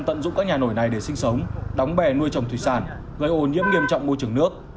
tận dụng các nhà nổi này để sinh sống đóng bè nuôi trồng thủy sản gây ô nhiễm nghiêm trọng môi trường nước